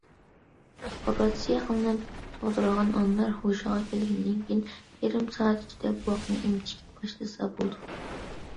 ئوپېراتسىيە قىلىنىپ تۇغدۇرۇلغان ئانىلار ھوشىغا كەلگەندىن كېيىن، يېرىم سائەت ئىچىدە بوۋاقنى ئېمىتىشكە باشلىسا بولىدۇ.